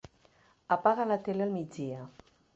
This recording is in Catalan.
Apaga la tele al migdia.